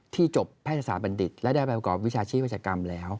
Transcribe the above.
ที่จบแพทยศาสตร์บัณฑิตและได้แบบวิชาชีพวิจักรรมแล้ว